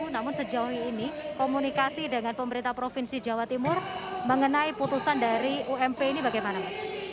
namun sejauh ini komunikasi dengan pemerintah provinsi jawa timur mengenai putusan dari ump ini bagaimana mas